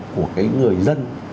của cái người dân